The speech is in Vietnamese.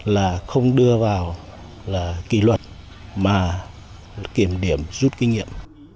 là không đưa vào là kỳ luật mà kiểm điểm rút kinh nghiệm